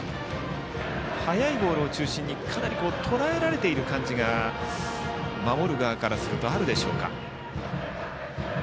速いボールを中心にかなりとらえられている感じが守る側からするとあるでしょうか。